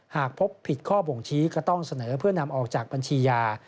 หากพบผิดข้อบ่งชี้ก็ต้องเสนอเพื่อนำออกจากบัญชียา